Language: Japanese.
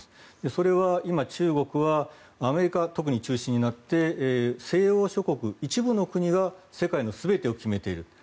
それは今、中国はアメリカが特に中心になって西欧諸国、一部の国が世界の全てを決めている。